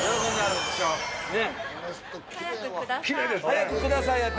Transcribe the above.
「早くください」やて！